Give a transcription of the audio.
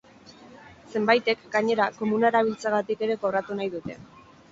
Zenbaitek, gainera, komuna erabiltzeagatik ere kobratu nahi dute.